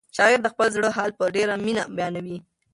شاعر د خپل زړه حال په ډېره مینه بیانوي.